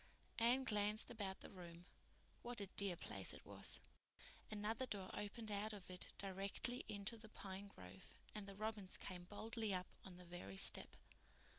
Anne glanced about the room. What a dear place it was! Another door opened out of it directly into the pine grove and the robins came boldly up on the very step.